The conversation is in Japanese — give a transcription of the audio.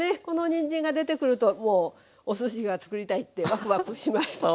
このにんじんが出てくるともうおすしが作りたいってワクワクします。